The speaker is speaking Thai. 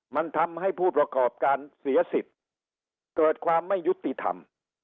มันทำให้ผู้ประกอบการเสียสิทธิ์เกิดความไม่ยุติธรรม